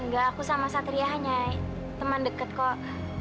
gak aku sama satria hanya teman dekat kok